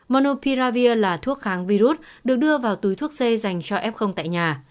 monopiravir là thuốc kháng virus được đưa vào túi thuốc c dành cho f tại nhà